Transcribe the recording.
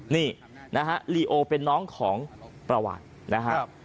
นี่นะฮะลีโอเป็นน้องของประวัตินะครับ